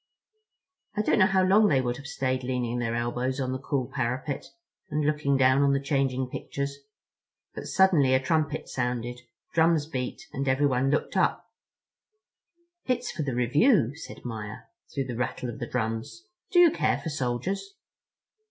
I don't know how long they would have stayed leaning their elbows on the cool parapet and looking down on the changing pictures, but suddenly a trumpet sounded, drums beat, and everyone looked up. "It's for the review," said Maia, through the rattle of the drums. "Do you care for soldiers?"